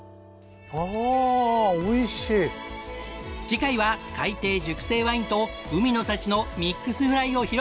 次回は海底熟成ワインと海の幸のミックスフライを披露！